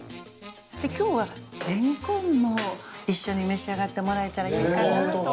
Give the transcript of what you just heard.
今日はれんこんも一緒に召し上がってもらえたらいいかなと思います